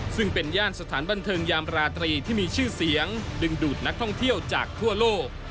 ซึ่งเป็นย่านสถานบันเทิงยามราตรีที่มีชื่อเสียงดึงดูดนักท่องเที่ยวจากทั่วโลก